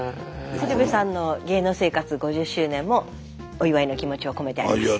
鶴瓶さんの芸能生活５０周年もお祝いの気持ちを込めてあります。